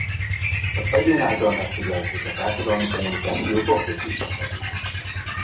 Az egyén által megfigyelt és a társadalmi kommunikáció konfliktusba kerül.